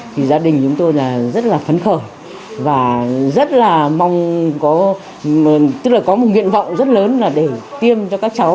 thì gia đình chúng tôi là rất là phấn khởi và rất là mong tức là có một nguyện vọng rất lớn là để tiêm cho các cháu